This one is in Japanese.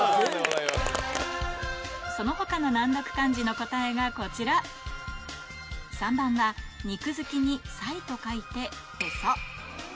その他の難読漢字の答えがこちら３番は「にくづき」に「齊」と書いてヘソ